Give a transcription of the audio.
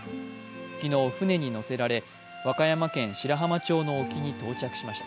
昨日、船に乗せられ、和歌山県白浜町の沖に到着しました。